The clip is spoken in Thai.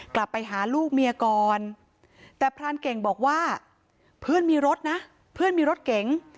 กลับไปหาลูกเมียก่อนแต่พรานเก่งบอกว่าเพื่อนมีรถนะเพื่อนมีรถเก๋ง